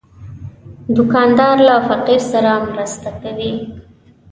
دوکاندار له فقیر سره مرسته کوي.